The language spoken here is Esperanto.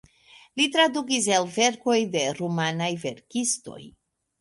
Li tradukis el verkoj de rumanaj verkistoj.